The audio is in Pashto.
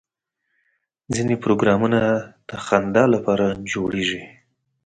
ځینې پروګرامونه د خندا لپاره جوړېږي.